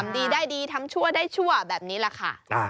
ดีได้ดีทำชั่วได้ชั่วแบบนี้แหละค่ะ